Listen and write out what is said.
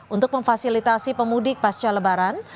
untuk memfasilitasi pemudik pasca lebaran